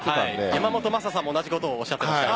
山本昌さんも同じことをおっしゃっていました。